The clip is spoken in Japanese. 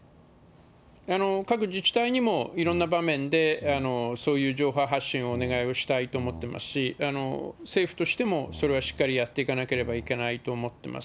各自治体にもいろんな場面でそういう情報発信をお願いをしたいと思ってますし、政府としても、それはしっかりやっていかなければいけないと思ってます。